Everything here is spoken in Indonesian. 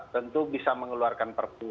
tentu bisa mengeluarkan perpu